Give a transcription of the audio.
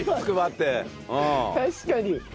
確かに。